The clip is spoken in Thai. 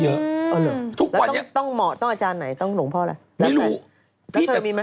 อ๋อเหรอแล้วต้องเหมาะต้องอาจารย์ไหนต้องหลวงพ่ออะไรรับไหนแล้วเธอมีไหม